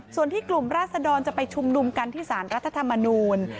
ส่วนที่กลุ่มราศดรจะไปชุมนุมกันที่สารรัฐธรรมนูล